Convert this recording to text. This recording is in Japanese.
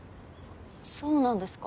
そうなんですか？